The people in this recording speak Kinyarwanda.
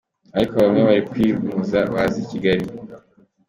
ariko bamwe bari kwimuza baza i Kigali.